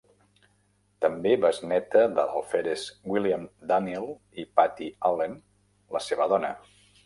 També besneta de l'alferes William Daniel i Pattie Allen, la seva dona.